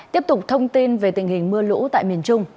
tiếp tục thông tin về tình hình mưa lũ tại miền trung